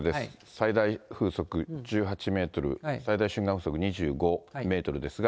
最大風速１８メートル、最大瞬間風速２５メートルですが。